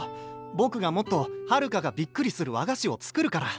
ぼくがもっとはるかがびっくりする和菓子を作るから。